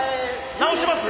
直します！